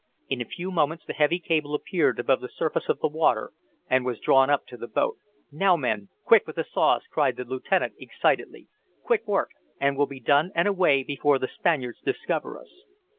In a few moments the heavy cable appeared above the surface of the water and was drawn up to the boat. "Now, men, quick with the saws!" cried the lieutenant, excitedly. "Quick work, and we'll be done and away before the Spaniards discover us!"